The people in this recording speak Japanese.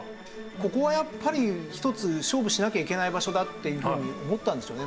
ここはやっぱり一つ勝負しなきゃいけない場所だっていうふうに思ったんでしょうね。